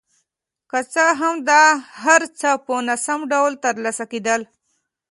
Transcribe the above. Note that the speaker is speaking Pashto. که څه هم دا هر څه په ناسم ډول ترسره کېدل.